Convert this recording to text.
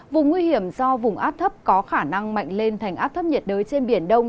vùng nguy hiểm do vùng áp thấp có khả năng mạnh lên thành áp thấp nhiệt đới trên biển đông